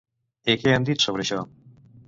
I què han dit sobre això?